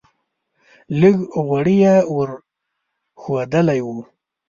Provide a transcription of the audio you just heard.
لږ غوړي یې ور ښودلی و.